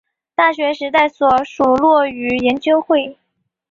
大学时代所属落语研究会。